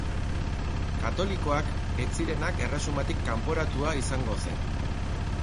Katolikoak ez zirenak erresumatik kanporatua izango zen.